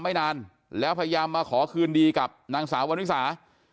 ไม่นานแล้วพยายามมาขอคืนดีกับนางสาววันนิสา